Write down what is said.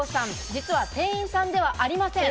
実は店員さんではありません。